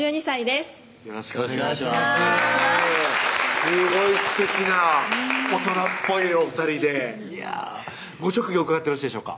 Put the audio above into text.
すごいすてきな大人っぽいお２人でご職業伺ってよろしいでしょうか